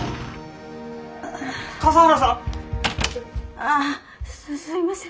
ああすいません。